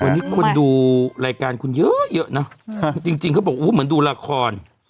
วันนี้คนดูรายการคุณเยอะเยอะเนอะจริงเขาบอกเหมือนดูละคร